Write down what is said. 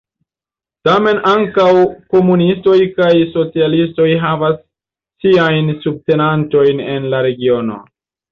Tamen ankaŭ komunistoj kaj socialistoj havas siajn subtenantojn en la regiono.